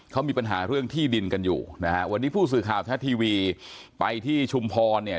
เขามีปัญหาเรื่องที่ดินกันอยู่นะฮะวันนี้ผู้สื่อข่าวทัศน์ทีวีไปที่ชุมพรเนี่ย